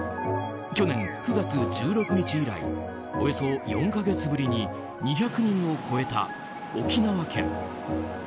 去年９月１６日以来およそ４か月ぶりに２００人を超えた沖縄県。